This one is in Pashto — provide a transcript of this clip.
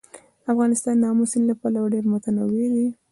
افغانستان د آمو سیند له پلوه ډېر متنوع دی.